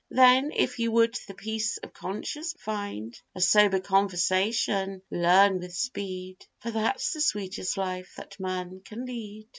Then if you would the peace of conscience find, A sober conversation learn with speed, For that's the sweetest life that man can lead.